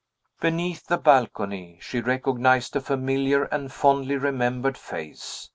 Beneath the balcony, she recognized a familiar and fondly remembered face.